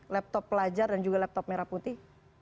laptop pelajar dan juga laptop merah putih